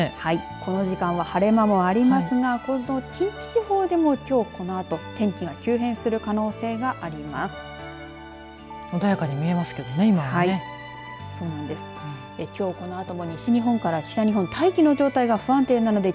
この時間は晴れ間もありますが近畿地方でもきょうこのあと天気が急変する可能性があります。